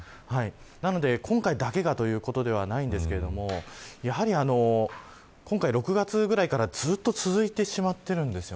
なので、今回だけがということではないんですけれど今回６月ぐらいからずっと続いてしまっているんです。